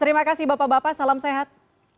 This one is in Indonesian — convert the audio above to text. terima kasih bapak bapak salam sehat